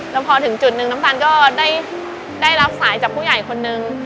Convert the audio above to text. แล้วพอถึงจุดนึงน้ำตาลก็ได้รับสายจากผู้ใหญ่คนนึง